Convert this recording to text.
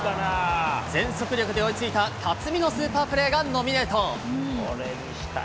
全速力で追いついた辰己のスーパープレーがノミネート。